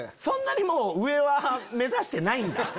そんなに上は目指してないんだ。